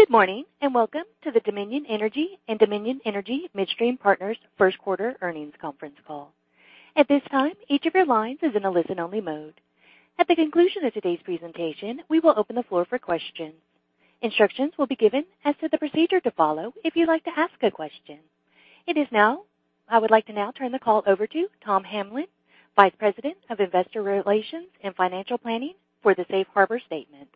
Good morning, and welcome to the Dominion Energy and Dominion Energy Midstream Partners first quarter earnings conference call. At this time, each of your lines is in a listen-only mode. At the conclusion of today's presentation, we will open the floor for questions. Instructions will be given as to the procedure to follow if you'd like to ask a question. I would like to now turn the call over to Thomas Hamlin, Vice President of Investor Relations and Financial Planning for the safe harbor statement.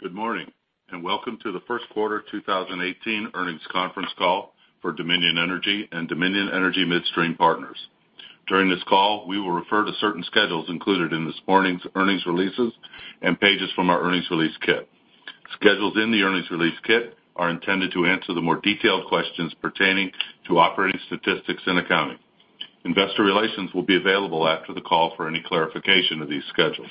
Good morning, and welcome to the first quarter 2018 earnings conference call for Dominion Energy and Dominion Energy Midstream Partners. During this call, we will refer to certain schedules included in this morning's earnings releases and pages from our earnings release kit. Schedules in the earnings release kit are intended to answer the more detailed questions pertaining to operating statistics and accounting. Investor relations will be available after the call for any clarification of these schedules.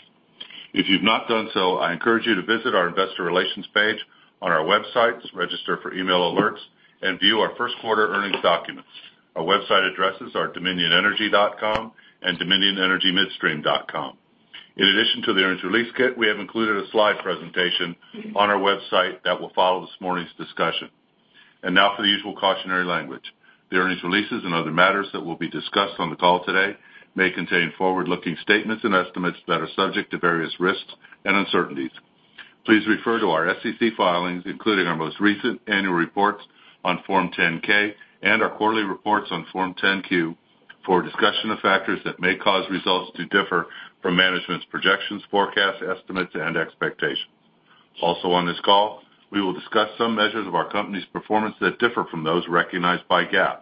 If you've not done so, I encourage you to visit our investor relations page on our websites, register for email alerts, and view our first quarter earnings documents. Our website addresses are dominionenergy.com and dominionenergymidstream.com. In addition to the earnings release kit, we have included a slide presentation on our website that will follow this morning's discussion. Now for the usual cautionary language. The earnings releases and other matters that will be discussed on the call today may contain forward-looking statements and estimates that are subject to various risks and uncertainties. Please refer to our SEC filings, including our most recent annual reports on Form 10-K and our quarterly reports on Form 10-Q for a discussion of factors that may cause results to differ from management's projections, forecasts, estimates, and expectations. On this call, we will discuss some measures of our company's performance that differ from those recognized by GAAP.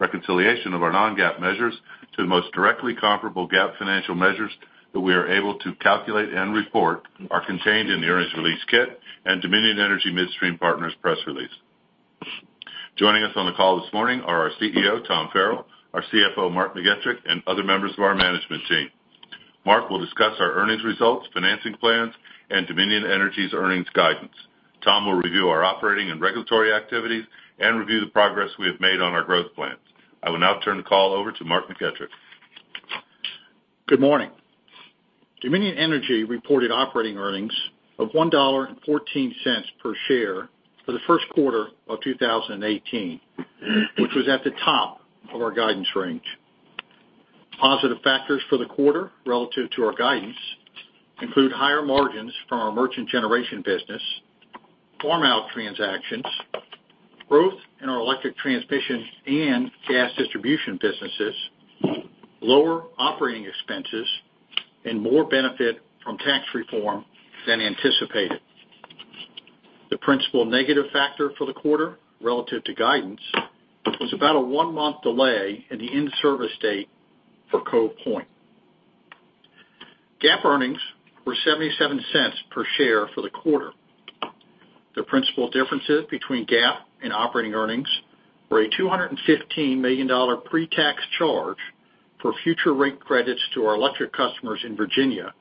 Reconciliation of our non-GAAP measures to the most directly comparable GAAP financial measures that we are able to calculate and report are contained in the earnings release kit and Dominion Energy Midstream Partners press release. Joining us on the call this morning are our CEO, Tom Farrell, our CFO, Mark McGettrick, and other members of our management team. Mark will discuss our earnings results, financing plans, and Dominion Energy's earnings guidance. Tom will review our operating and regulatory activities and review the progress we have made on our growth plans. I will now turn the call over to Mark McGettrick. Good morning. Dominion Energy reported operating earnings of $1.14 per share for the first quarter of 2018, which was at the top of our guidance range. Positive factors for the quarter relative to our guidance include higher margins from our merchant generation business, farm-out transactions, growth in our electric transmission and gas distribution businesses, lower operating expenses, and more benefit from tax reform than anticipated. The principal negative factor for the quarter relative to guidance was about a one-month delay in the in-service date for Cove Point. GAAP earnings were $0.77 per share for the quarter. The principal differences between GAAP and operating earnings were a $215 million pre-tax charge for future rate credits to our electric customers in Virginia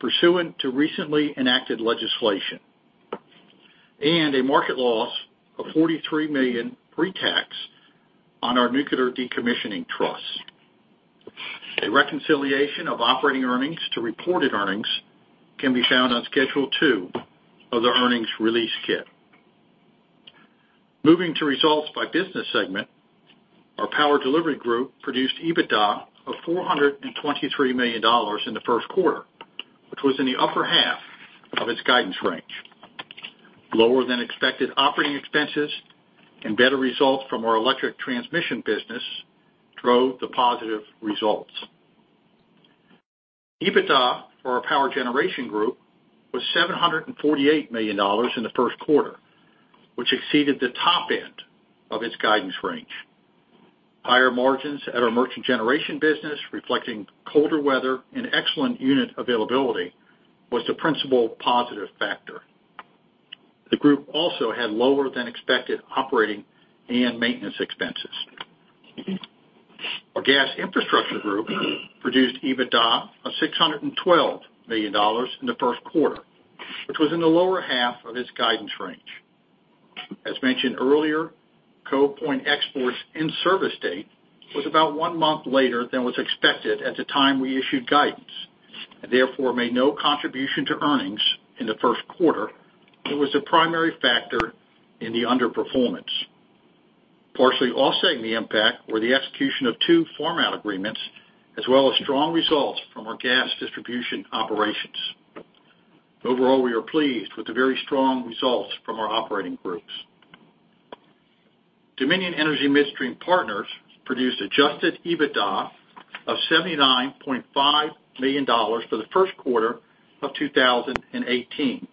pursuant to recently enacted legislation, and a market loss of $43 million pre-tax on our nuclear decommissioning trust. A reconciliation of operating earnings to reported earnings can be found on Schedule 2 of the earnings release kit. Moving to results by business segment, our power delivery group produced EBITDA of $423 million in the first quarter, which was in the upper half of its guidance range. Lower than expected operating expenses and better results from our electric transmission business drove the positive results. EBITDA for our power generation group was $748 million in the first quarter, which exceeded the top end of its guidance range. Higher margins at our merchant generation business, reflecting colder weather and excellent unit availability, was the principal positive factor. The group also had lower than expected operating and maintenance expenses. Our gas infrastructure group produced EBITDA of $612 million in the first quarter, which was in the lower half of its guidance range. As mentioned earlier, Cove Point export's in-service date was about one month later than was expected at the time we issued guidance. Therefore, it made no contribution to earnings in the first quarter. It was the primary factor in the underperformance. Partially offsetting the impact were the execution of two farm-out agreements, as well as strong results from our gas distribution operations. Overall, we are pleased with the very strong results from our operating groups. Dominion Energy Midstream Partners produced adjusted EBITDA of $79.5 million for the first quarter of 2018,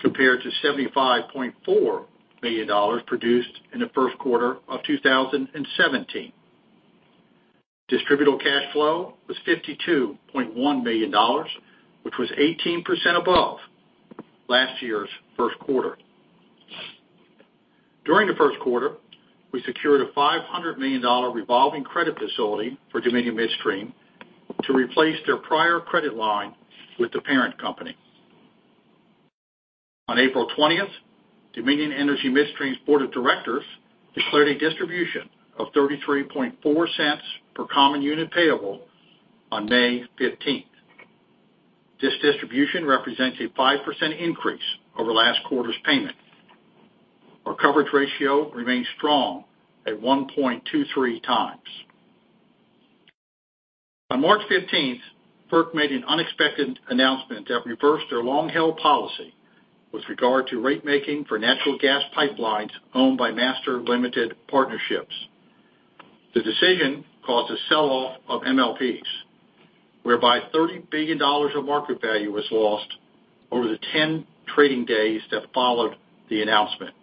compared to $75.4 million produced in the first quarter of 2017. Distributable cash flow was $52.1 million, which was 18% above last year's first quarter. During the first quarter, we secured a $500 million revolving credit facility for Dominion Midstream to replace their prior credit line with the parent company. On April 20th, Dominion Energy Midstream's board of directors declared a distribution of $0.334 per common unit payable on May 15th. This distribution represents a 5% increase over last quarter's payment. Our coverage ratio remains strong at 1.23 times. On March 15th, FERC made an unexpected announcement that reversed their long-held policy with regard to ratemaking for natural gas pipelines owned by master limited partnerships. The decision caused a sell-off of MLPs, whereby $30 billion of market value was lost over the 10 trading days that followed the announcement.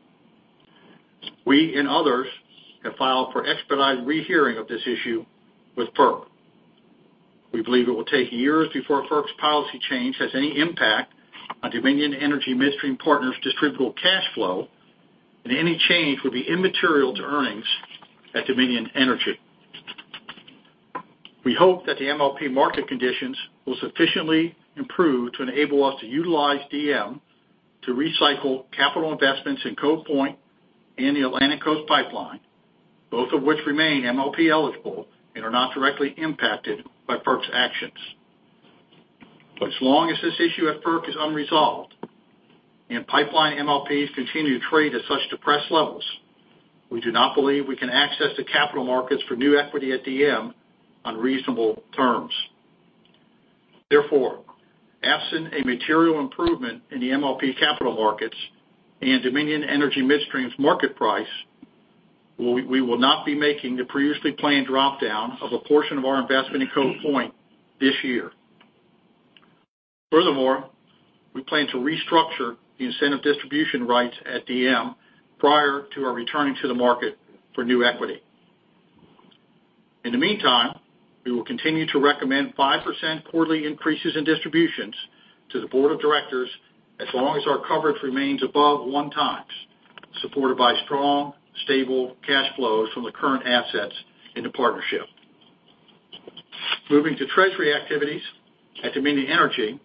We and others have filed for expedited rehearing of this issue with FERC. We believe it will take years before FERC's policy change has any impact on Dominion Energy Midstream Partners' distributable cash flow, and any change will be immaterial to earnings at Dominion Energy. We hope that the MLP market conditions will sufficiently improve to enable us to utilize DM to recycle capital investments in Cove Point and the Atlantic Coast Pipeline, both of which remain MLP-eligible and are not directly impacted by FERC's actions. As long as this issue at FERC is unresolved, and pipeline MLPs continue to trade at such depressed levels, we do not believe we can access the capital markets for new equity at DM on reasonable terms. Therefore, absent a material improvement in the MLP capital markets and Dominion Energy Midstream's market price, we will not be making the previously planned dropdown of a portion of our investment in Cove Point this year. Furthermore, we plan to restructure the incentive distribution rights at DM prior to our returning to the market for new equity. In the meantime, we will continue to recommend 5% quarterly increases in distributions to the board of directors as long as our coverage remains above one times, supported by strong, stable cash flows from the current assets in the partnership. Moving to treasury activities at Dominion Energy.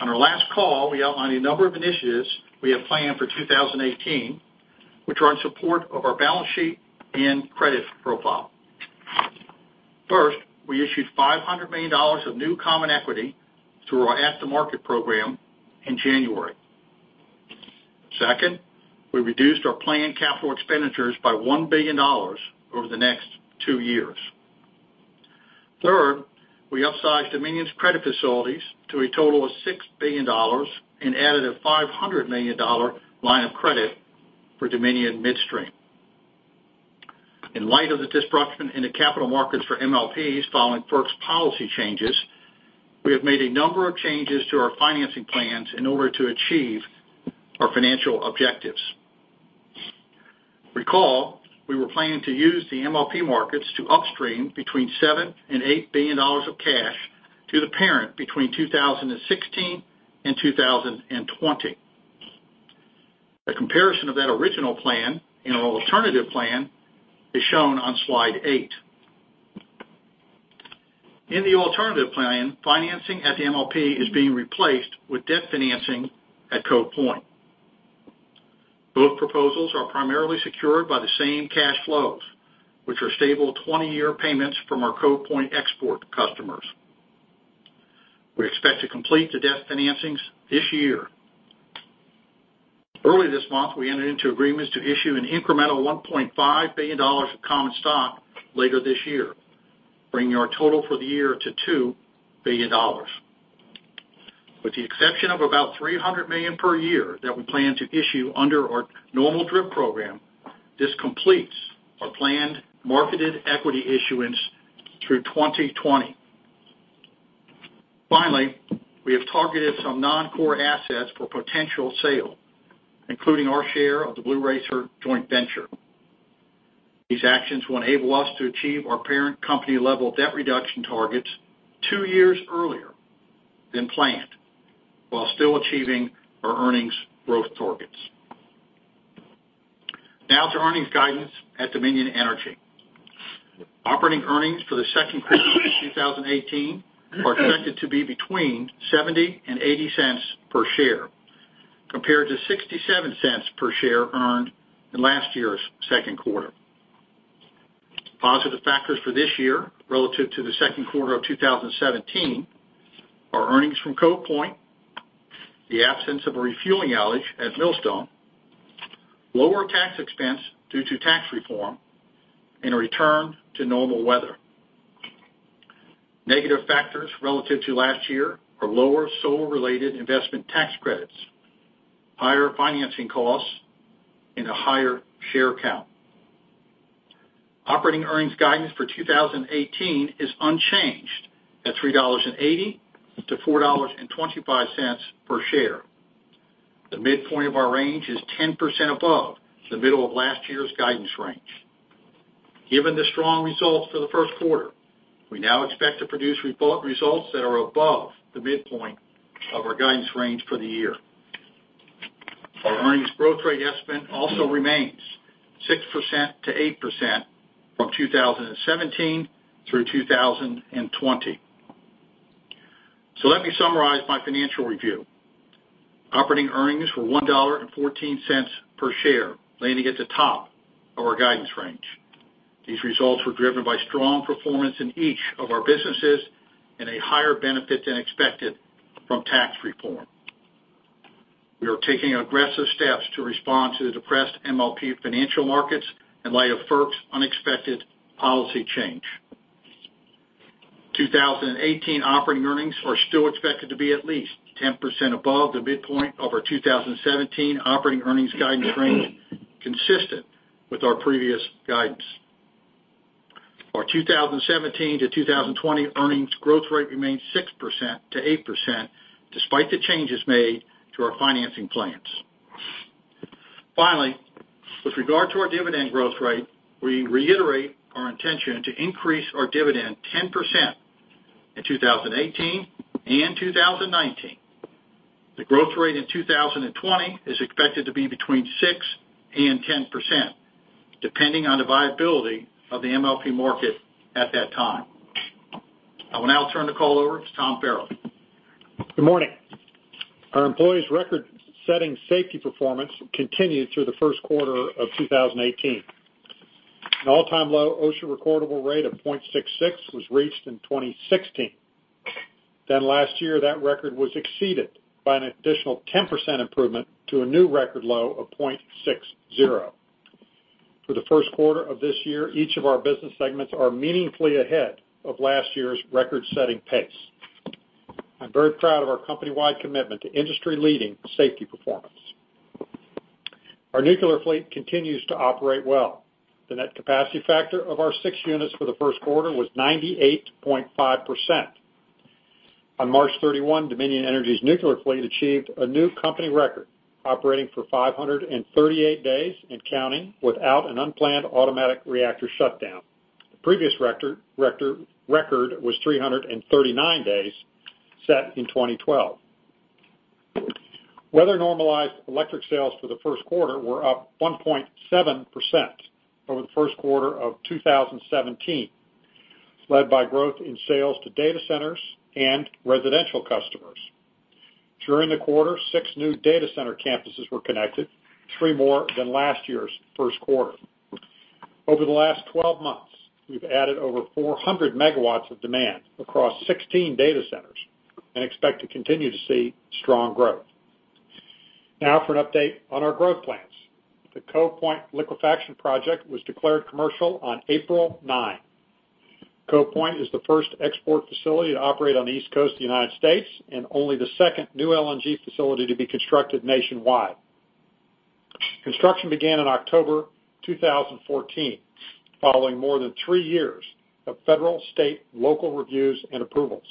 On our last call, we outlined a number of initiatives we have planned for 2018, which are in support of our balance sheet and credit profile. First, we issued $500 million of new common equity through our at-the-market program in January. Second, we reduced our planned capital expenditures by $1 billion over the next two years. Third, we upsized Dominion's credit facilities to a total of $6 billion and added a $500 million line of credit for Dominion Midstream. In light of the disruption in the capital markets for MLPs following FERC's policy changes, we have made a number of changes to our financing plans in order to achieve our financial objectives. Recall, we were planning to use the MLP markets to upstream between $7 billion and $8 billion of cash to the parent between 2016 and 2020. A comparison of that original plan and an alternative plan is shown on slide eight. In the alternative plan, financing at the MLP is being replaced with debt financing at Cove Point. Both proposals are primarily secured by the same cash flows, which are stable 20-year payments from our Cove Point export customers. We expect to complete the debt financings this year. Early this month, we entered into agreements to issue an incremental $1.5 billion of common stock later this year, bringing our total for the year to $2 billion. With the exception of about $300 million per year that we plan to issue under our normal DRIP program, this completes our planned marketed equity issuance through 2020. Finally, we have targeted some non-core assets for potential sale, including our share of the Blue Racer joint venture. These actions will enable us to achieve our parent company-level debt reduction targets two years earlier than planned, while still achieving our earnings growth targets. Now to earnings guidance at Dominion Energy. Operating earnings for the second quarter of 2018 are expected to be between $0.70 and $0.80 per share, compared to $0.67 per share earned in last year's second quarter. Positive factors for this year relative to the second quarter of 2017 are earnings from Cove Point, the absence of a refueling outage at Millstone, lower tax expense due to tax reform, and a return to normal weather. Negative factors relative to last year are lower solar-related investment tax credits, higher financing costs, and a higher share count. Operating earnings guidance for 2018 is unchanged at $3.80-$4.25 per share. The midpoint of our range is 10% above the middle of last year's guidance range. Given the strong results for the first quarter, we now expect to produce results that are above the midpoint of our guidance range for the year. Our earnings growth rate estimate also remains 6%-8% from 2017 through 2020. Let me summarize my financial review. Operating earnings were $1.14 per share, landing at the top of our guidance range. These results were driven by strong performance in each of our businesses and a higher benefit than expected from tax reform. We are taking aggressive steps to respond to the depressed MLP financial markets in light of FERC's unexpected policy change. 2018 operating earnings are still expected to be at least 10% above the midpoint of our 2017 operating earnings guidance range, consistent with our previous guidance. Our 2017 to 2020 earnings growth rate remains 6%-8%, despite the changes made to our financing plans. Finally, with regard to our dividend growth rate, we reiterate our intention to increase our dividend 10% in 2018 and 2019. The growth rate in 2020 is expected to be between 6% and 10%, depending on the viability of the MLP market at that time. I will now turn the call over to Tom Farrell. Good morning. Our employees' record-setting safety performance continued through the first quarter of 2018. An all-time low OSHA recordable rate of 0.66 was reached in 2016. Last year, that record was exceeded by an additional 10% improvement to a new record low of 0.60. For the first quarter of this year, each of our business segments are meaningfully ahead of last year's record-setting pace. I'm very proud of our company-wide commitment to industry-leading safety performance. Our nuclear fleet continues to operate well. The net capacity factor of our six units for the first quarter was 98.5%. On March 31, Dominion Energy's nuclear fleet achieved a new company record, operating for 538 days and counting without an unplanned automatic reactor shutdown. The previous record was 339 days, set in 2012. Weather-normalized electric sales for the first quarter were up 1.7% over the first quarter of 2017, led by growth in sales to data centers and residential customers. During the quarter, six new data center campuses were connected, three more than last year's first quarter. Over the last 12 months, we've added over 400 megawatts of demand across 16 data centers and expect to continue to see strong growth. For an update on our growth plans. The Cove Point Liquefaction project was declared commercial on April 9. Cove Point is the first export facility to operate on the East Coast of the U.S. and only the second new LNG facility to be constructed nationwide. Construction began in October 2014, following more than three years of federal, state, and local reviews and approvals.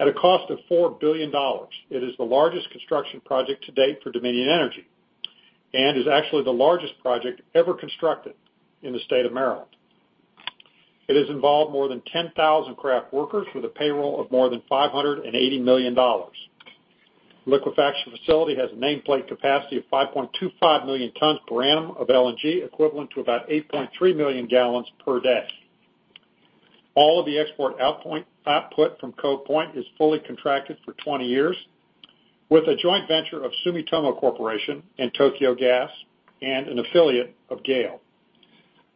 At a cost of $4 billion, it is the largest construction project to date for Dominion Energy and is actually the largest project ever constructed in the state of Maryland. It has involved more than 10,000 craft workers with a payroll of more than $580 million. The liquefaction facility has a nameplate capacity of 5.25 million tons per annum of LNG, equivalent to about 8.3 million gallons per day. All of the export output from Cove Point is fully contracted for 20 years with a joint venture of Sumitomo Corporation and Tokyo Gas and an affiliate of GAIL.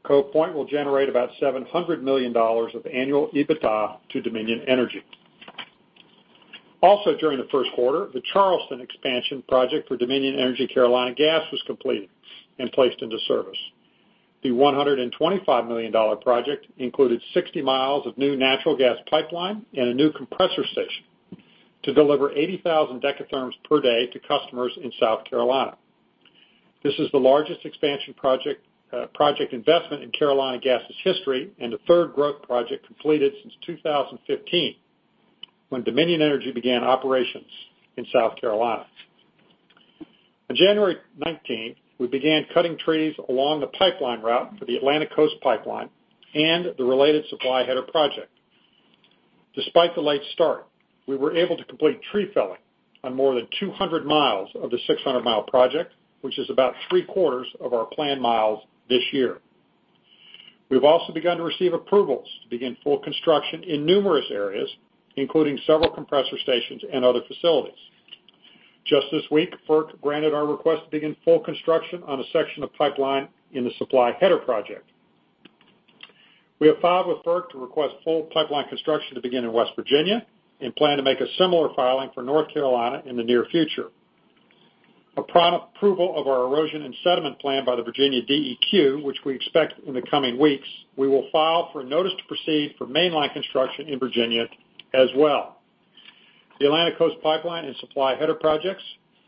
Cove Point will generate about $700 million of annual EBITDA to Dominion Energy. Also during the first quarter, the Charleston expansion project for Dominion Energy Carolina Gas was completed and placed into service. The $125 million project included 60 miles of new natural gas pipeline and a new compressor station to deliver 80,000 decatherms per day to customers in South Carolina. This is the largest expansion project investment in Carolina Gas' history and the third growth project completed since 2015, when Dominion Energy began operations in South Carolina. On January 19, we began cutting trees along the pipeline route for the Atlantic Coast Pipeline and the related Supply Header project. Despite the late start, we were able to complete tree felling on more than 200 miles of the 600-mile project, which is about three-quarters of our planned miles this year. We've also begun to receive approvals to begin full construction in numerous areas, including several compressor stations and other facilities. Just this week, FERC granted our request to begin full construction on a section of pipeline in the Supply Header project. We have filed with FERC to request full pipeline construction to begin in West Virginia and plan to make a similar filing for North Carolina in the near future. Upon approval of our erosion and sediment plan by the Virginia DEQ, which we expect in the coming weeks, we will file for a notice to proceed for mainline construction in Virginia as well. The Atlantic Coast Pipeline and Supply Header projects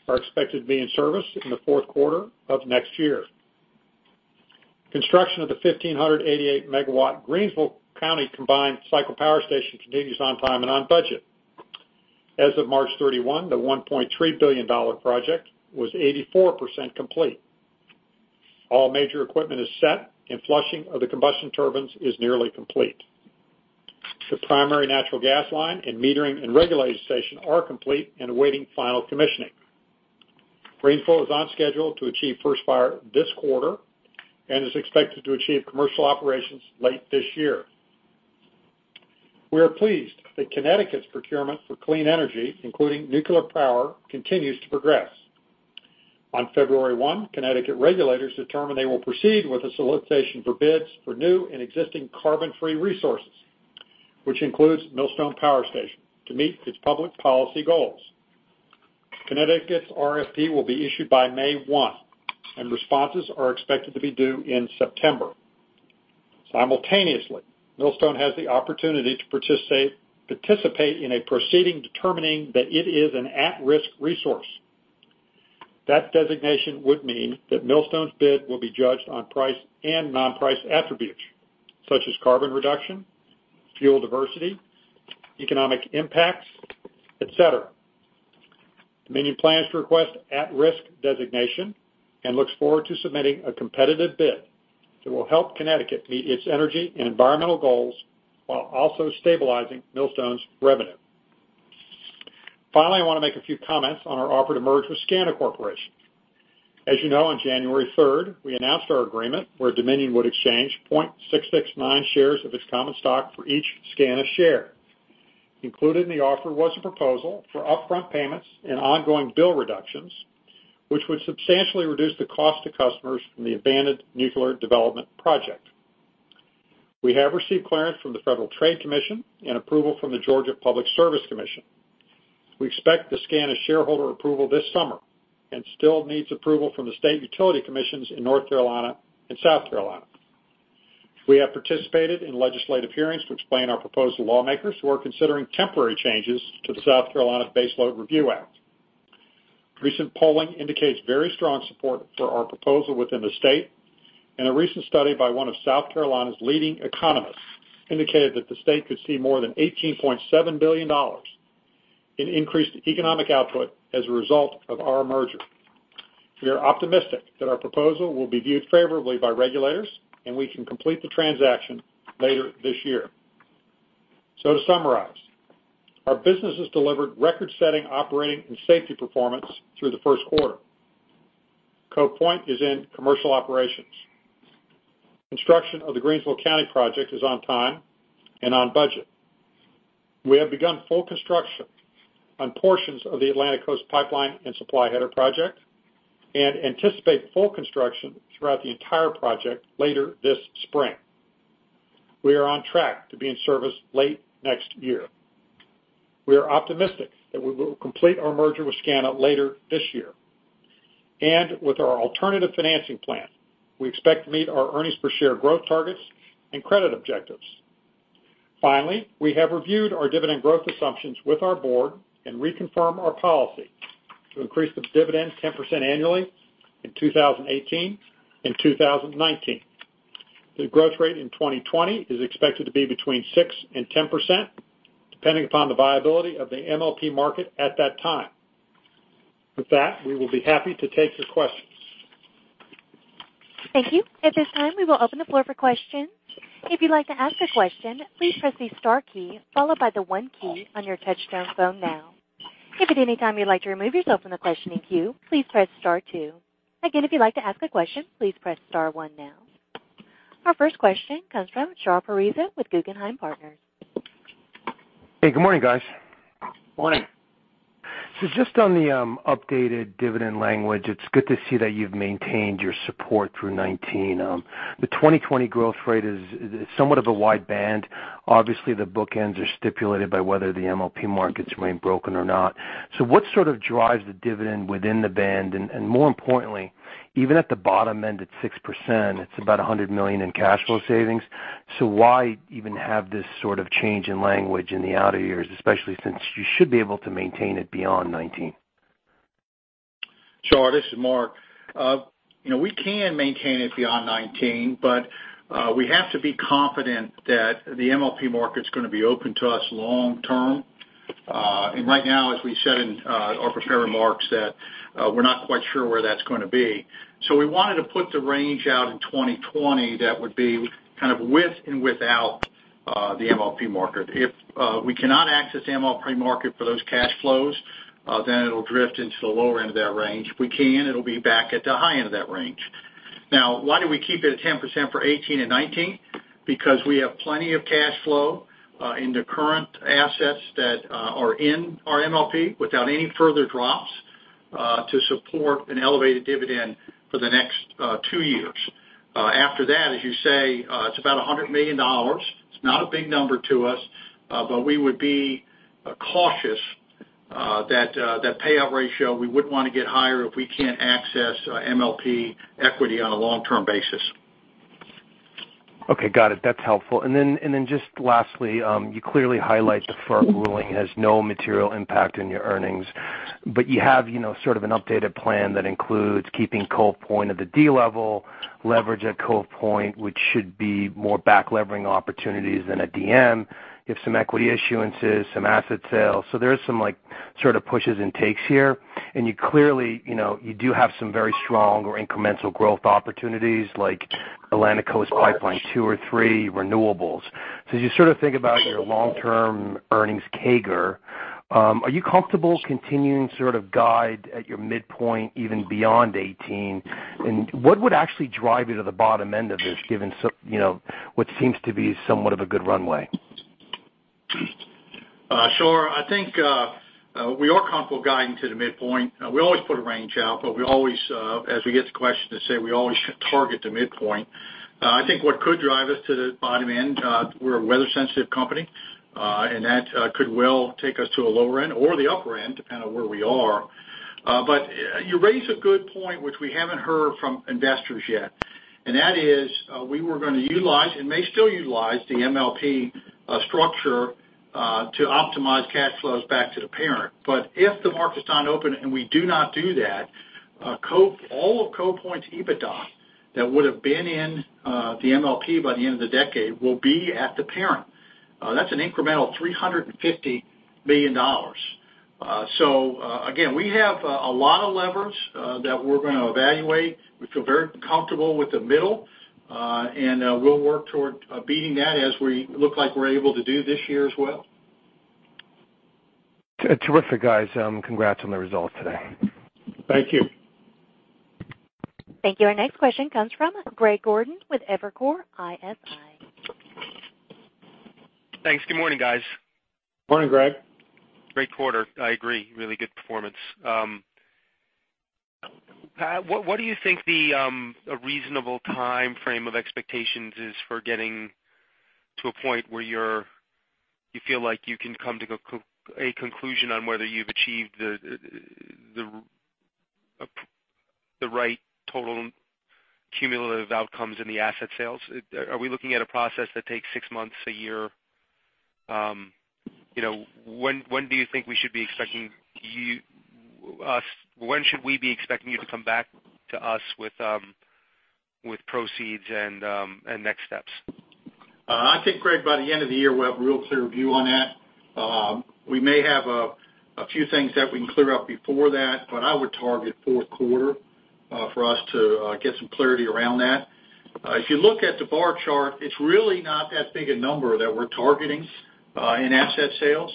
are expected to be in service in the fourth quarter of next year. Construction of the 1,588-megawatt Greenville County Combined Cycle Power Station continues on time and on budget. As of March 31, the $1.3 billion project was 84% complete. All major equipment is set and flushing of the combustion turbines is nearly complete. The primary natural gas line and metering and regulation station are complete and awaiting final commissioning. Greenville is on schedule to achieve first fire this quarter and is expected to achieve commercial operations late this year. We are pleased that Connecticut's procurement for clean energy, including nuclear power, continues to progress. On February 1, Connecticut regulators determined they will proceed with a solicitation for bids for new and existing carbon-free resources, which includes Millstone Power Station, to meet its public policy goals. Connecticut's RFP will be issued by May 1, and responses are expected to be due in September. Simultaneously, Millstone has the opportunity to participate in a proceeding determining that it is an at-risk resource. That designation would mean that Millstone's bid will be judged on price and non-price attributes such as carbon reduction, fuel diversity, economic impacts, et cetera. Dominion plans to request at-risk designation and looks forward to submitting a competitive bid that will help Connecticut meet its energy and environmental goals while also stabilizing Millstone's revenue. Finally, I want to make a few comments on our offer to merge with SCANA Corporation. As you know, on January 3rd, we announced our agreement where Dominion would exchange 0.669 shares of its common stock for each SCANA share. Included in the offer was a proposal for upfront payments and ongoing bill reductions, which would substantially reduce the cost to customers from the abandoned nuclear development project. We have received clearance from the Federal Trade Commission and approval from the Georgia Public Service Commission. We expect the SCANA shareholder approval this summer and still needs approval from the state utility commissions in North Carolina and South Carolina. We have participated in legislative hearings to explain our proposal to lawmakers who are considering temporary changes to the South Carolina Base Load Review Act. Recent polling indicates very strong support for our proposal within the state, and a recent study by one of South Carolina's leading economists indicated that the state could see more than $18.7 billion in increased economic output as a result of our merger. We are optimistic that our proposal will be viewed favorably by regulators, and we can complete the transaction later this year. To summarize, our business has delivered record-setting operating and safety performance through the first quarter. Cove Point is in commercial operations. Construction of the Greenville County project is on time and on budget. We have begun full construction on portions of the Atlantic Coast Pipeline and Supply Header Project and anticipate full construction throughout the entire project later this spring. We are on track to be in service late next year. We are optimistic that we will complete our merger with SCANA later this year. With our alternative financing plan, we expect to meet our earnings per share growth targets and credit objectives. Finally, we have reviewed our dividend growth assumptions with our board and reconfirm our policy to increase the dividend 10% annually in 2018 and 2019. The growth rate in 2020 is expected to be between 6% and 10%, depending upon the viability of the MLP market at that time. With that, we will be happy to take your questions. Thank you. At this time, we will open the floor for questions. If you'd like to ask a question, please press the star key followed by the one key on your touchtone phone now. If at any time you'd like to remove yourself from the questioning queue, please press star two. Again, if you'd like to ask a question, please press star one now. Our first question comes from Shahriar Pourreza with Guggenheim Partners. Hey, good morning, guys. Morning. Just on the updated dividend language, it's good to see that you've maintained your support through 2019. The 2020 growth rate is somewhat of a wide band. Obviously, the bookends are stipulated by whether the MLP markets remain broken or not. What sort of drives the dividend within the band? More importantly, even at the bottom end at 6%, it's about $100 million in cash flow savings. Why even have this sort of change in language in the outer years, especially since you should be able to maintain it beyond 2019? Shar, this is Mark. We can maintain it beyond 2019, we have to be confident that the MLP market's going to be open to us long term. Right now, as we said in our prepared remarks, that we're not quite sure where that's going to be. We wanted to put the range out in 2020 that would be kind of with and without the MLP market. If we cannot access the MLP market for those cash flows, it'll drift into the lower end of that range. If we can, it'll be back at the high end of that range. Why do we keep it at 10% for 2018 and 2019? We have plenty of cash flow in the current assets that are in our MLP without any further drops to support an elevated dividend for the next two years. After that, as you say, it's about $100 million. It's not a big number to us, we would be cautious that the payout ratio, we wouldn't want to get higher if we can't access MLP equity on a long-term basis. Just lastly, you clearly highlight the FERC ruling has no material impact on your earnings, but you have sort of an updated plan that includes keeping Cove Point at the D level, leverage at Cove Point, which should be more back-levering opportunities than a DM. You have some equity issuances, some asset sales. As you sort of think about your long-term earnings CAGR, are you comfortable continuing to guide at your midpoint even beyond 2018? What would actually drive you to the bottom end of this, given what seems to be somewhat of a good runway? Sure. I think we are comfortable guiding to the midpoint. We always put a range out, but as we get to questions, let's say we always target the midpoint. I think what could drive us to the bottom end, we're a weather-sensitive company, and that could well take us to a lower end or the upper end, depending on where we are. You raise a good point, which we haven't heard from investors yet, and that is, we were going to utilize and may still utilize the MLP structure to optimize cash flows back to the parent. If the market's not open and we do not do that, all of Cove Point's EBITDA that would've been in the MLP by the end of the decade will be at the parent. That's an incremental $350 million. Again, we have a lot of levers that we're going to evaluate. We feel very comfortable with the middle, and we'll work toward beating that as we look like we're able to do this year as well. Terrific, guys. Congrats on the results today. Thank you. Thank you. Our next question comes from Greg Gordon with Evercore ISI. Thanks. Good morning, guys. Morning, Greg. Great quarter. I agree. Really good performance. Mark, what do you think the reasonable timeframe of expectations is for getting to a point where you feel like you can come to a conclusion on whether you've achieved the right total cumulative outcomes in the asset sales? Are we looking at a process that takes six months, one year? When should we be expecting you to come back to us with proceeds and next steps? I think, Greg, by the end of the year, we'll have a real clear view on that. We may have a few things that we can clear up before that, but I would target fourth quarter for us to get some clarity around that. If you look at the bar chart, it's really not that big a number that we're targeting in asset sales.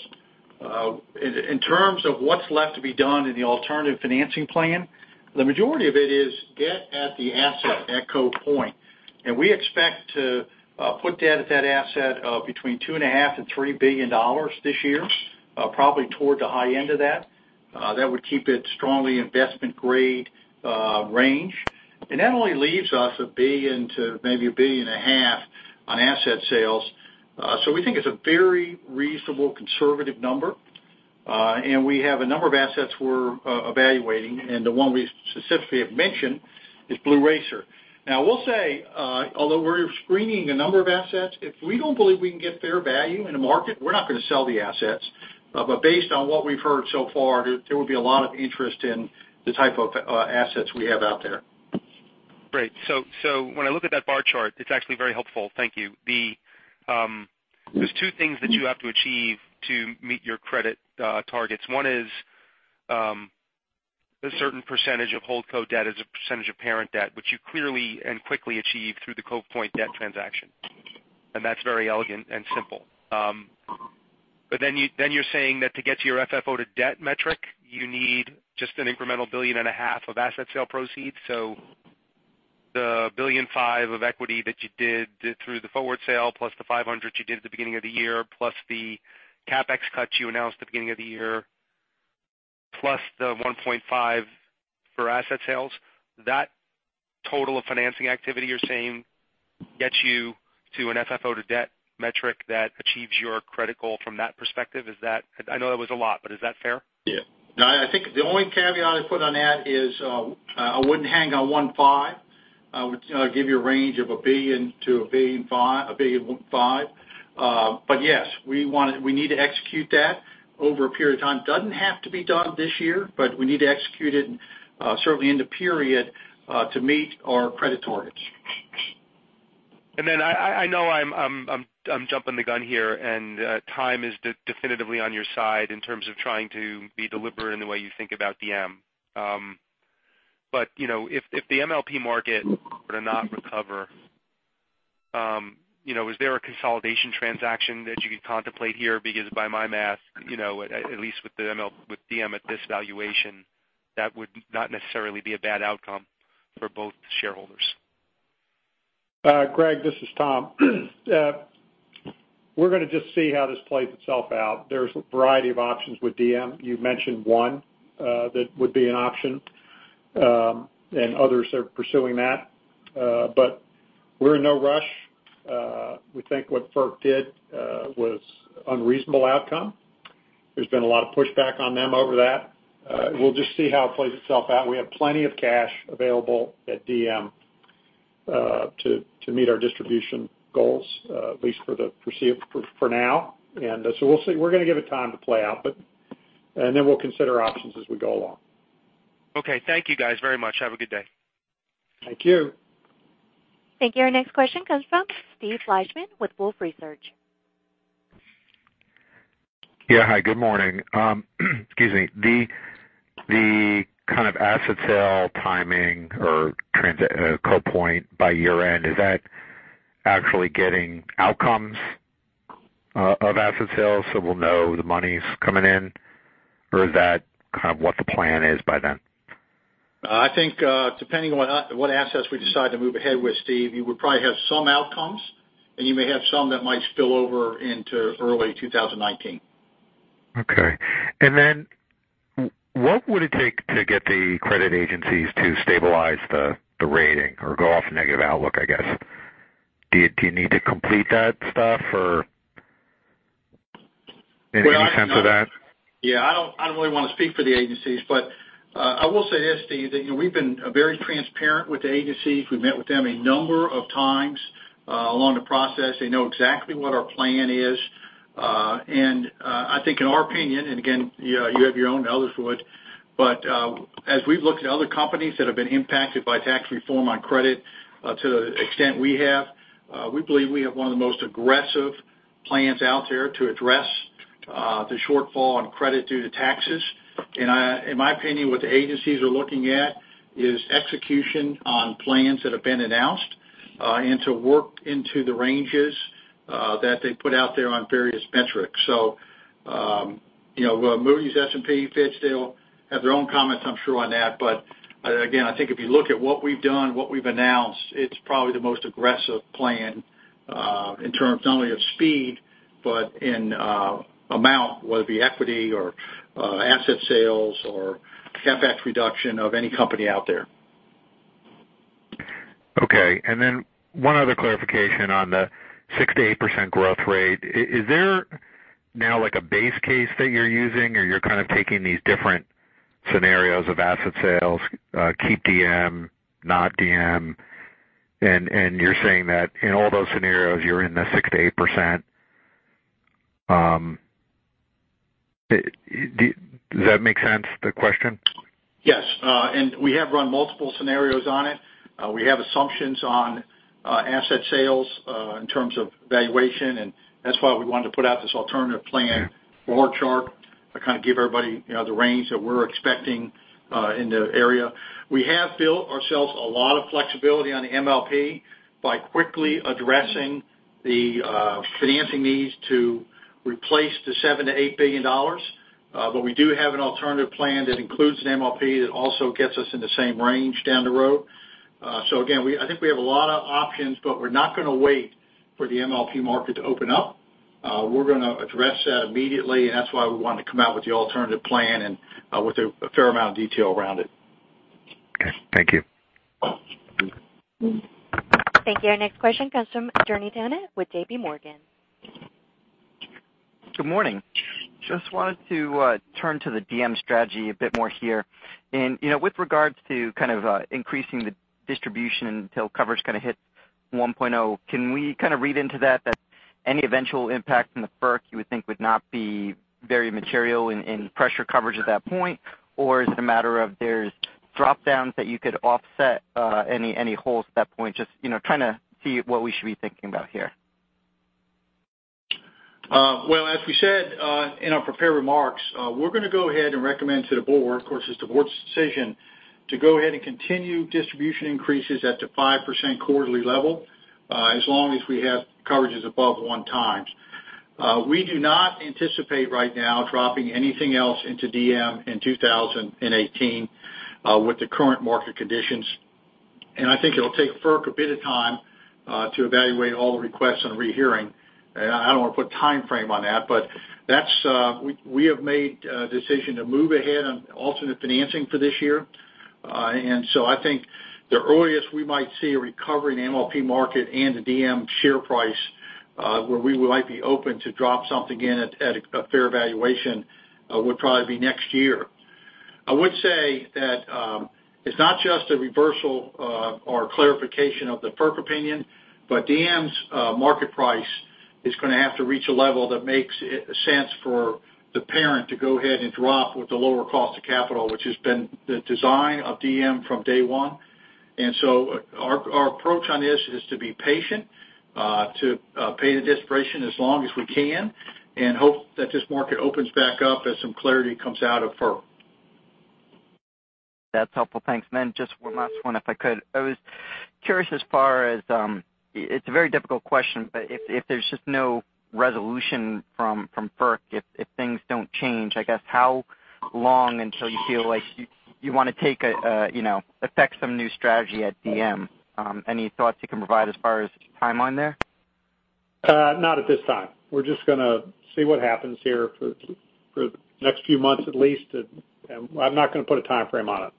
In terms of what's left to be done in the alternative financing plan, the majority of it is debt at the asset at Cove Point, and we expect to put debt at that asset of between $2.5 billion and $3 billion this year, probably toward the high end of that. That would keep it strongly investment-grade range. That only leaves us $1 billion to maybe $1.5 billion on asset sales. We think it's a very reasonable, conservative number, and we have a number of assets we're evaluating, and the one we specifically have mentioned is Blue Racer. We'll say, although we're screening a number of assets, if we don't believe we can get fair value in the market, we're not going to sell the assets. Based on what we've heard so far, there will be a lot of interest in the type of assets we have out there. Great. When I look at that bar chart, it's actually very helpful. Thank you. There are two things that you have to achieve to meet your credit targets. One is a certain percentage of holdco debt as a percentage of parent debt, which you clearly and quickly achieved through the Cove Point debt transaction. That's very elegant and simple. You're saying that to get to your FFO to debt metric, you need just an incremental $1.5 billion of asset sale proceeds. The $1.5 billion of equity that you did through the forward sale plus the $500 million you did at the beginning of the year, plus the CapEx cuts you announced at the beginning of the year, plus the $1.5 billion for asset sales. That total of financing activity, you're saying, gets you to an FFO to debt metric that achieves your credit goal from that perspective. I know that was a lot, but is that fair? Yeah. No, I think the only caveat I'd put on that is, I wouldn't hang on $1.5 billion. I would give you a range of $1 billion to $1.5 billion. Yes, we need to execute that over a period of time. It doesn't have to be done this year, but we need to execute it certainly in the period, to meet our credit targets. Then I know I'm jumping the gun here, and time is definitively on your side in terms of trying to be deliberate in the way you think about DM. If the MLP market were to not recover, is there a consolidation transaction that you can contemplate here? Because by my math, at least with DM at this valuation, that would not necessarily be a bad outcome for both shareholders. Greg, this is Tom. We're going to just see how this plays itself out. There's a variety of options with DM. You've mentioned one that would be an option, and others are pursuing that. We're in no rush. We think what FERC did was unreasonable outcome. There's been a lot of pushback on them over that. We'll just see how it plays itself out, and we have plenty of cash available at DM to meet our distribution goals, at least for now. We'll see. We're going to give it time to play out, then we'll consider options as we go along. Okay. Thank you guys very much. Have a good day. Thank you. Thank you. Our next question comes from Steve Fleishman with Wolfe Research. Yeah. Hi, good morning. Excuse me. The kind of asset sale timing for Cove Point by year-end, is that actually getting outcomes of asset sales so we will know the money's coming in, or is that kind of what the plan is by then? I think, depending on what assets we decide to move ahead with, Steve, you would probably have some outcomes and you may have some that might spill over into early 2019. Okay. What would it take to get the credit agencies to stabilize the rating or go off negative outlook, I guess? Do you need to complete that stuff or any sense of that? Yeah. I do not really want to speak for the agencies, but I will say this, Steve, that we have been very transparent with the agencies. We have met with them a number of times along the process. They know exactly what our plan is. I think in our opinion, and again, you have your own filters for it, but as we have looked at other companies that have been impacted by tax reform on credit to the extent we have, we believe we have one of the most aggressive plans out there to address the shortfall on credit due to taxes. In my opinion, what the agencies are looking at is execution on plans that have been announced, and to work into the ranges that they put out there on various metrics. Moody's, S&P, Fitch, they all have their own comments, I am sure, on that. I think if you look at what we've done, what we've announced, it's probably the most aggressive plan, in terms not only of speed, but in amount, whether it be equity or asset sales or CapEx reduction of any company out there. Okay. One other clarification on the 6%-8% growth rate. Is there now a base case that you're using or you're kind of taking these different scenarios of asset sales, keep DM, not DM, and you're saying that in all those scenarios, you're in the 6%-8%? Does that make sense, the question? Yes. We have run multiple scenarios on it. We have assumptions on asset sales, in terms of valuation, and that's why we wanted to put out this alternative plan org chart to kind of give everybody the range that we're expecting in the area. We have built ourselves a lot of flexibility on the MLP by quickly addressing the financing needs to replace the $7 billion-$8 billion. We do have an alternative plan that includes an MLP that also gets us in the same range down the road. Again, I think we have a lot of options, but we're not going to wait for the MLP market to open up. We're going to address that immediately, and that's why we wanted to come out with the alternative plan and with a fair amount of detail around it. Okay. Thank you. Thank you. Our next question comes from Jeremy Tonet with JPMorgan. Good morning. Just wanted to turn to the DM strategy a bit more here. With regards to kind of increasing the distribution until coverage kind of hits 1.0, can we kind of read into that any eventual impact from the FERC you would think would not be very material in pressure coverage at that point? Or is it a matter of there's drop-downs that you could offset any holes at that point? Just trying to see what we should be thinking about here. Well, as we said in our prepared remarks, we're going to go ahead and recommend to the board, of course, it's the board's decision, to go ahead and continue distribution increases at the 5% quarterly level, as long as we have coverages above one times. We do not anticipate right now dropping anything else into DM in 2018, with the current market conditions. I think it'll take FERC a bit of time to evaluate all the requests on rehearing. I don't want to put timeframe on that, but we have made a decision to move ahead on alternate financing for this year. So I think the earliest we might see a recovery in the MLP market and the DM share price, where we might be open to drop something in at a fair valuation, would probably be next year. I would say that it's not just a reversal or clarification of the FERC opinion, but DM's market price is going to have to reach a level that makes sense for the parent to go ahead and drop with the lower cost of capital, which has been the design of DM from day one. Our approach on this is to be patient, to pay the distribution as long as we can, and hope that this market opens back up as some clarity comes out of FERC. That's helpful. Thanks. Then just one last one if I could. I was curious it's a very difficult question, but if there's just no resolution from FERC, if things don't change, I guess, how long until you feel like you want to affect some new strategy at DM? Any thoughts you can provide as far as timeline there? Not at this time. We're just going to see what happens here for the next few months at least. I'm not going to put a timeframe on it.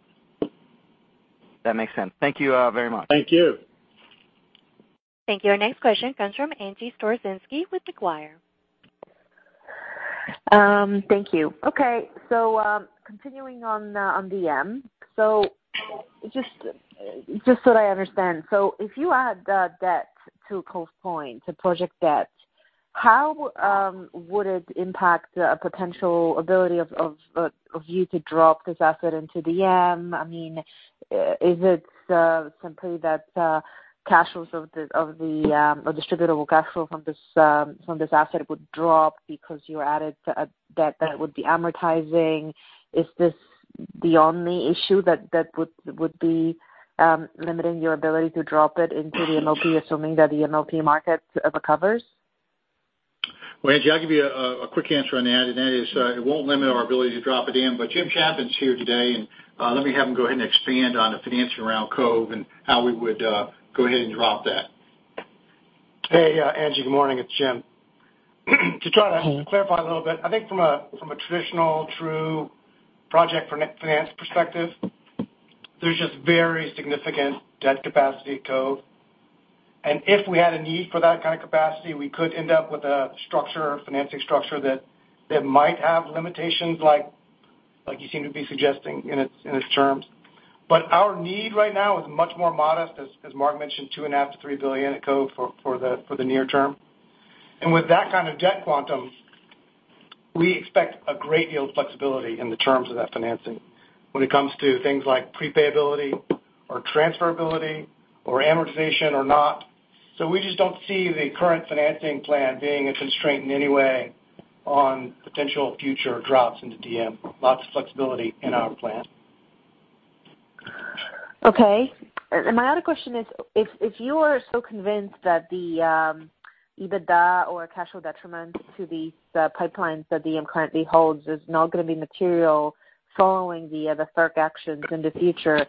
That makes sense. Thank you very much. Thank you. Thank you. Our next question comes from Angie Storozynski with Macquarie. Thank you. Okay. Continuing on DM. Just so that I understand. If you add debt to Cove Point, to project debt, how would it impact a potential ability of you to drop this asset into DM? Is it simply that cash flows of the distributable cash flow from this asset would drop because you added debt that would be amortizing? The only issue that would be limiting your ability to drop it into the MLP, assuming that the MLP market recovers? Well, Angie, I'll give you a quick answer on that. That is, it won't limit our ability to drop it in. Jim Chapman's here today, let me have him go ahead and expand on the financing around Cove and how we would go ahead and drop that. Hey, Angie. Good morning. It's Jim. To try to clarify a little bit, I think from a traditional true project finance perspective, there's just very significant debt capacity at Cove. If we had a need for that kind of capacity, we could end up with a financing structure that might have limitations like you seem to be suggesting in its terms. Our need right now is much more modest as Mark mentioned, $2.5 billion-$3 billion at Cove for the near term. With that kind of debt quantum, we expect a great deal of flexibility in the terms of that financing when it comes to things like prepayability or transferability or amortization or not. We just don't see the current financing plan being a constraint in any way on potential future drops into DM. Lots of flexibility in our plan. My other question is, if you are so convinced that the EBITDA or cash flow detriment to these pipelines that DM currently holds is not going to be material following the FERC actions in the future,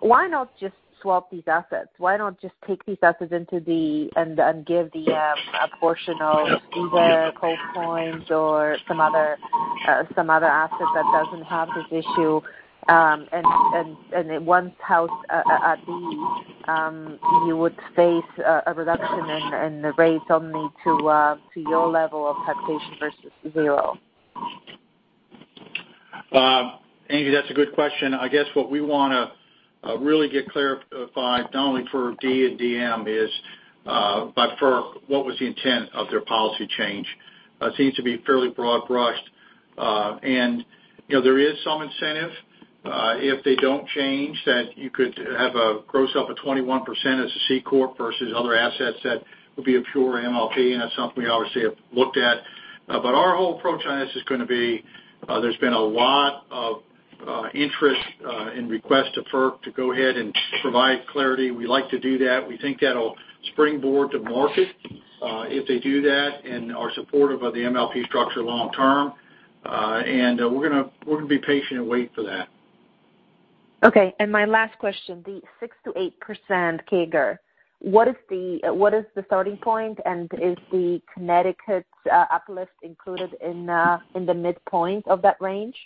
why not just swap these assets? Why not just take these assets and give DM a portion of either Cove Point or some other asset that doesn't have this issue, and once housed at D, you would face a reduction in the rates only to your level of taxation versus zero. Angie, that's a good question. I guess what we want to really get clarified, not only for D and DM, is by FERC, what was the intent of their policy change? It seems to be fairly broad-brushed. There is some incentive if they don't change, that you could have a gross up of 21% as a C corp versus other assets that would be a pure MLP, and that's something we obviously have looked at. Our whole approach on this is going to be, there's been a lot of interest in request to FERC to go ahead and provide clarity. We like to do that. We think that'll springboard to market if they do that and are supportive of the MLP structure long term. We're going to be patient and wait for that. My last question, the 6%-8% CAGR. What is the starting point, and is the Connecticut uplift included in the midpoint of that range?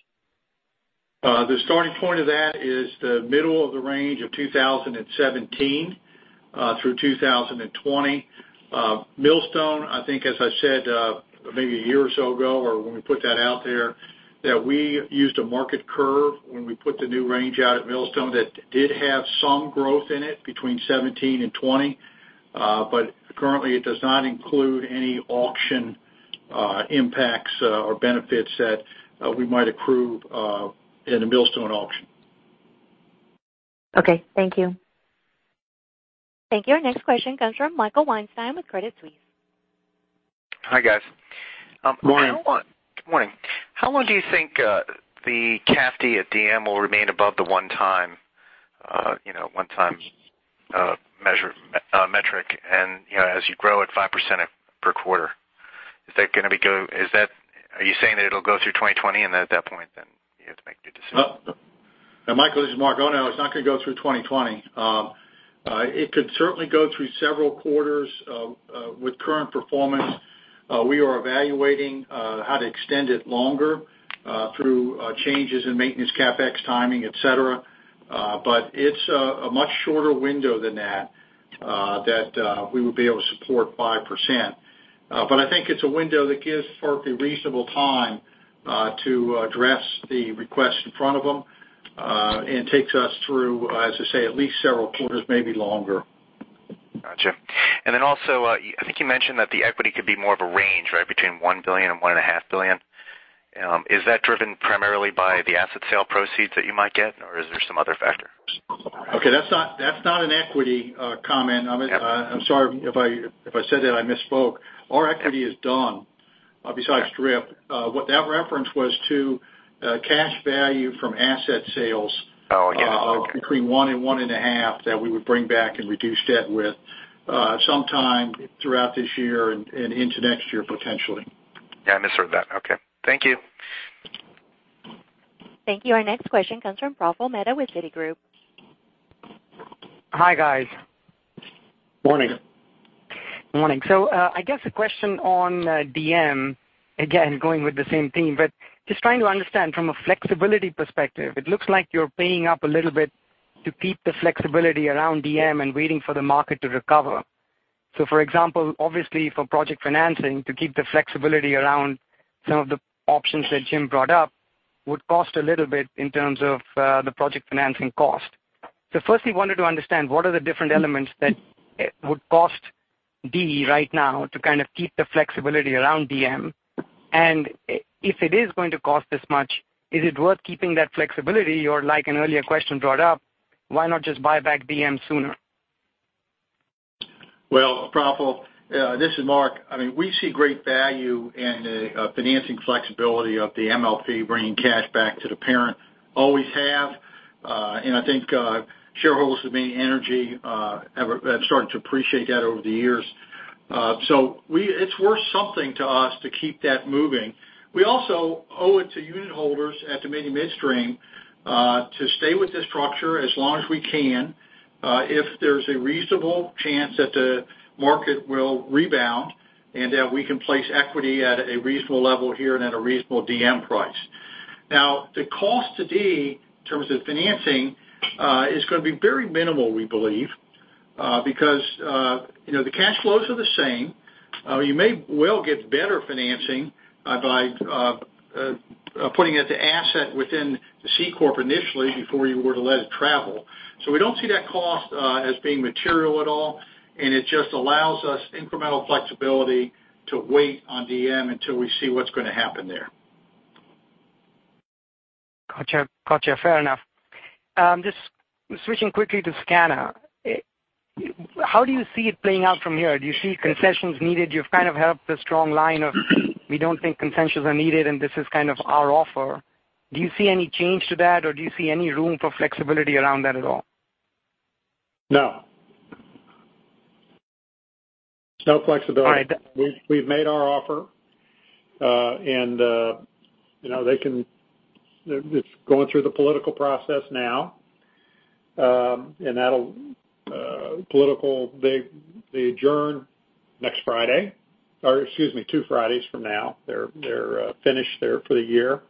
The starting point of that is the middle of the range of 2017 through 2020. Millstone, I think as I said maybe a year or so ago, or when we put that out there, that we used a market curve when we put the new range out at Millstone that did have some growth in it between 2017 and 2020. Currently it does not include any auction impacts or benefits that we might accrue in the Millstone auction. Okay. Thank you. Thank you. Our next question comes from Michael Weinstein with Credit Suisse. Hi, guys. Morning. Good morning. How long do you think the CAFD at DM will remain above the one-time metric? As you grow at 5% per quarter, are you saying that it'll go through 2020, and at that point you have to make your decision? Michael, this is Mark. No, it's not going to go through 2020. It could certainly go through several quarters with current performance. We are evaluating how to extend it longer through changes in maintenance CapEx timing, et cetera. It's a much shorter window than that we would be able to support 5%. I think it's a window that gives FERC a reasonable time to address the request in front of them and takes us through, as I say, at least several quarters, maybe longer. Got you. Also, I think you mentioned that the equity could be more of a range, right? Between $1 billion and $1.5 billion. Is that driven primarily by the asset sale proceeds that you might get, or is there some other factors? Okay. That's not an equity comment. Yeah. I'm sorry if I said that, I misspoke. Our equity is done besides DRIP. What that reference was to cash value from asset sales. Oh, yeah between one and one and a half that we would bring back and reduce debt with, sometime throughout this year and into next year potentially. Yeah, I misheard that. Okay. Thank you. Thank you. Our next question comes from Praful Mehta with Citigroup. Hi, guys. Morning. Morning. I guess a question on DM, again, going with the same theme, but just trying to understand from a flexibility perspective. It looks like you're paying up a little bit to keep the flexibility around DM and waiting for the market to recover. For example, obviously for project financing, to keep the flexibility around some of the options that Jim brought up would cost a little bit in terms of the project financing cost. Firstly, wanted to understand what are the different elements that would cost D right now to kind of keep the flexibility around DM. If it is going to cost this much, is it worth keeping that flexibility? Like an earlier question brought up, why not just buy back DM sooner? Well, Praful, this is Mark. We see great value in the financing flexibility of the MLP bringing cash back to the parent. Always have. I think shareholders of Dominion Energy have started to appreciate that over the years. It's worth something to us to keep that moving. We also owe it to unit holders at Dominion Midstream to stay with this structure as long as we can. If there's a reasonable chance that the market will rebound and that we can place equity at a reasonable level here and at a reasonable DM price. The cost to D in terms of financing is going to be very minimal, we believe, because the cash flows are the same. You may well get better financing by putting it to asset within the C corp initially before you were to let it travel. We don't see that cost as being material at all, and it just allows us incremental flexibility to wait on DM until we see what's going to happen there. Got you. Fair enough. Just switching quickly to SCANA. How do you see it playing out from here? Do you see concessions needed? You've kind of held the strong line of, "We don't think concessions are needed, and this is kind of our offer." Do you see any change to that, or do you see any room for flexibility around that at all? No. No flexibility. All right. We've made our offer. It's going through the political process now. They adjourn next Friday, or excuse me, two Fridays from now. They're finished there for the year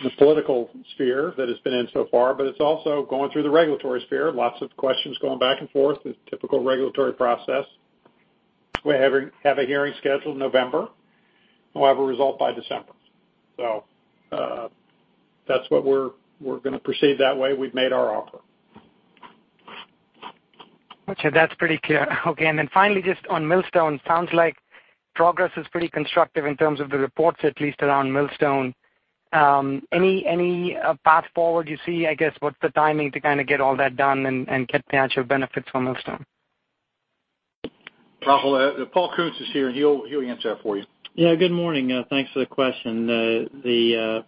in the political sphere that it's been in so far, but it's also going through the regulatory sphere. Lots of questions going back and forth. It's typical regulatory process. We have a hearing scheduled November, and we'll have a result by December. That's what we're going to proceed that way. We've made our offer. Got you. That is pretty clear. Finally, just on Millstone, sounds like progress is pretty constructive in terms of the reports, at least around Millstone. Any path forward you see? I guess, what is the timing to kind of get all that done and get the actual benefits from Millstone? Praful, Paul Koonce is here. He will answer that for you. Good morning. Thanks for the question. The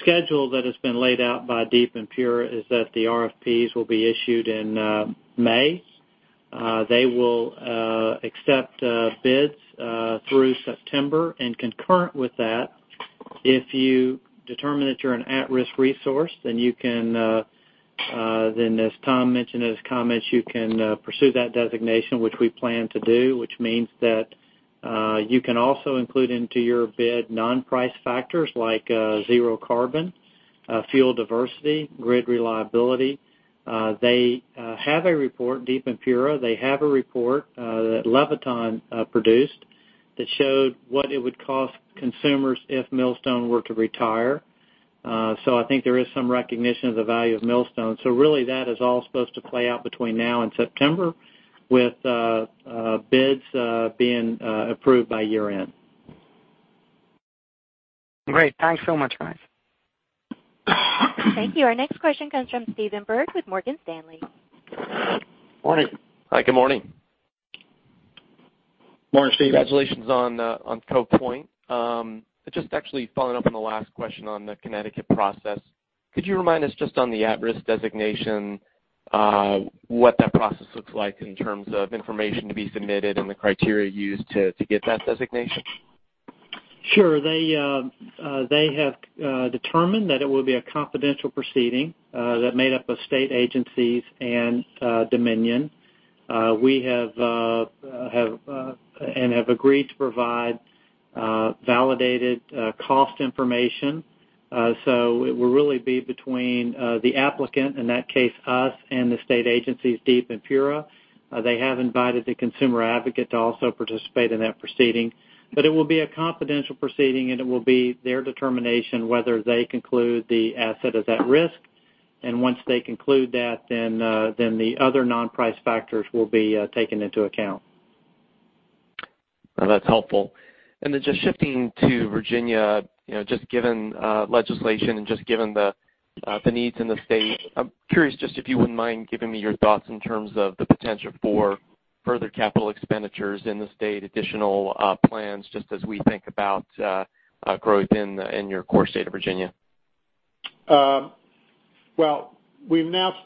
schedule that has been laid out by DEEP and PURA is that the RFPs will be issued in May. They will accept bids through September. Concurrent with that, if you determine that you are an at-risk resource, as Tom mentioned in his comments, you can pursue that designation, which we plan to do, which means that you can also include into your bid non-price factors like zero carbon, fuel diversity, grid reliability. They have a report, DEEP and PURA. They have a report that Levitan produced that showed what it would cost consumers if Millstone were to retire. I think there is some recognition of the value of Millstone. Really, that is all supposed to play out between now and September, with bids being approved by year-end. Great. Thanks so much, guys. Thank you. Our next question comes from Stephen Byrd with Morgan Stanley. Morning. Hi, good morning. Morning, Steve. Congratulations on Cove Point. Just actually following up on the last question on the Connecticut process. Could you remind us just on the at-risk designation, what that process looks like in terms of information to be submitted and the criteria used to get that designation? Sure. They have determined that it will be a confidential proceeding that made up of state agencies and Dominion, and have agreed to provide validated cost information. It will really be between the applicant, in that case, us, and the state agencies, DEEP and PURA. They have invited the consumer advocate to also participate in that proceeding. It will be a confidential proceeding, and it will be their determination whether they conclude the asset is at risk. Once they conclude that, the other non-price factors will be taken into account. That's helpful. Just shifting to Virginia, just given legislation and just given the needs in the state, I'm curious just if you wouldn't mind giving me your thoughts in terms of the potential for further capital expenditures in the state, additional plans, just as we think about growth in your core state of Virginia. Well, we announced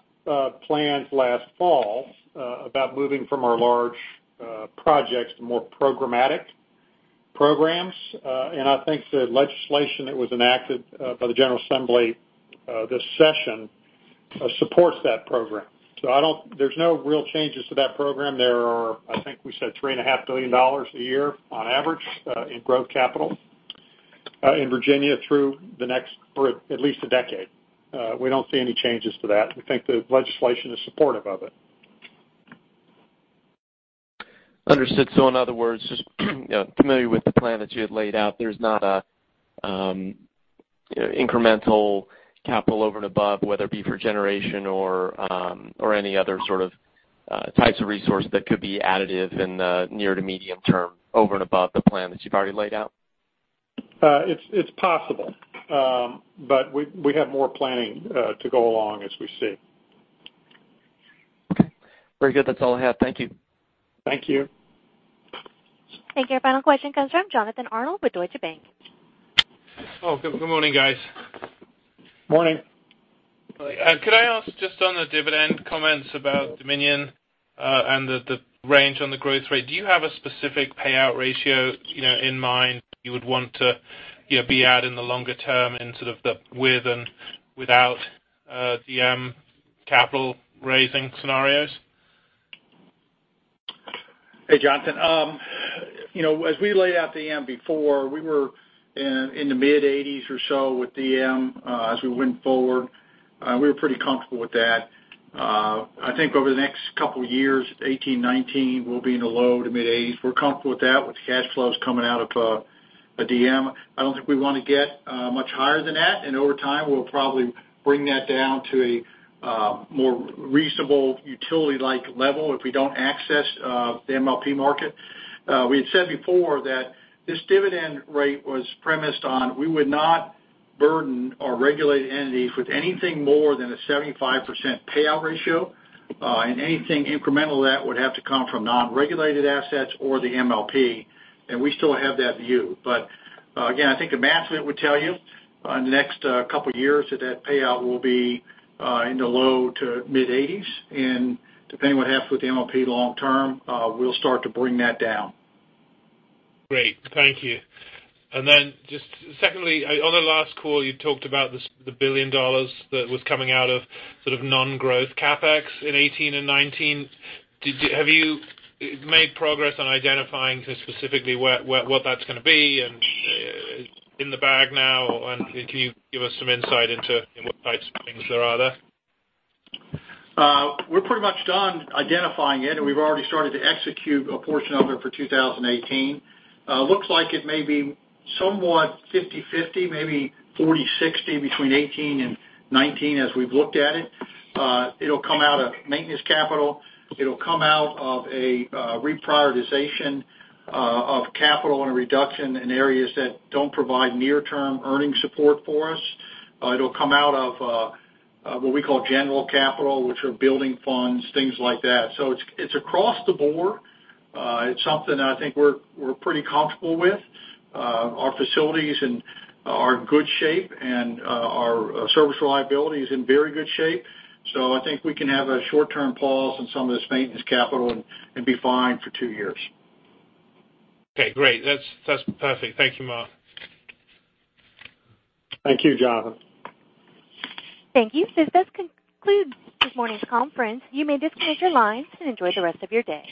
plans last fall about moving from our large projects to more programmatic programs. I think the legislation that was enacted by the General Assembly this session supports that program. There's no real changes to that program. There are, I think we said $3.5 billion a year on average in growth capital in Virginia through the next, for at least a decade. We don't see any changes to that. We think the legislation is supportive of it. Understood. In other words, just familiar with the plan that you had laid out. There's not a incremental capital over and above, whether it be for generation or any other sort of types of resource that could be additive in the near to medium term, over and above the plan that you've already laid out? It's possible. We have more planning to go along as we see. Okay. Very good. That's all I have. Thank you. Thank you. Thank you. Our final question comes from Jonathan Arnold with Deutsche Bank. Good morning, guys. Morning. Could I ask just on the dividend comments about Dominion and the range on the growth rate? Do you have a specific payout ratio in mind you would want to be at in the longer term in sort of the with and without DM capital-raising scenarios? Hey, Jonathan. As we laid out DM before, we were in the mid-80s or so with DM as we went forward. We were pretty comfortable with that. I think over the next couple of years, 2018, 2019, we'll be in the low to mid-80s. We're comfortable with that with cash flows coming out of DM. I don't think we want to get much higher than that, and over time, we'll probably bring that down to a more reasonable utility-like level if we don't access the MLP market. We had said before that this dividend rate was premised on we would not burden our regulated entities with anything more than a 75% payout ratio. Anything incremental to that would have to come from non-regulated assets or the MLP, and we still have that view. Again, I think the math of it would tell you in the next couple years that that payout will be in the low to mid-80s, and depending what happens with the MLP long term, we'll start to bring that down. Just secondly, on the last call, you talked about the $1 billion that was coming out of non-growth CapEx in 2018 and 2019. Have you made progress on identifying just specifically what that's going to be, and in the bag now? Can you give us some insight into what types of things there are there? We're pretty much done identifying it. We've already started to execute a portion of it for 2018. Looks like it may be somewhat 50/50, maybe 40/60 between 2018 and 2019 as we've looked at it. It'll come out of maintenance capital. It'll come out of a reprioritization of capital and a reduction in areas that don't provide near-term earning support for us. It'll come out of what we call general capital, which are building funds, things like that. It's across the board. It's something that I think we're pretty comfortable with. Our facilities are in good shape, and our service reliability is in very good shape. I think we can have a short-term pause on some of this maintenance capital and be fine for two years. Great. That's perfect. Thank you, Mark. Thank you, Jonathan. Thank you. This concludes this morning's conference. You may disconnect your lines and enjoy the rest of your day.